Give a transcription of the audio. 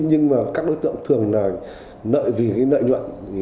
nhưng mà các đối tượng thường là nợi vì cái nợi nhuận